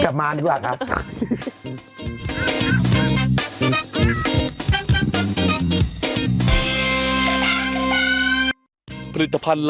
กลับมาดีกว่าครับ